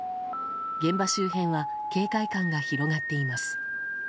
現場周辺は警戒感が広がっています。